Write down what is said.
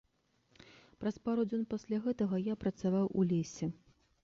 Праз пару дзён пасля гэтага я працаваў у лесе.